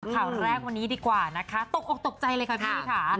ข่าวแรกวันนี้ดีกว่านะคะตกออกตกใจเลยค่ะพี่ค่ะ